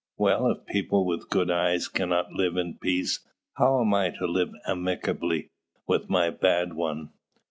"Well, if people with good eyes cannot live in peace, how am I to live amicably, with my bad one?"